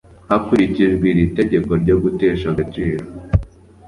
hakurikijwe iri tegeko ryo gutesha agaciro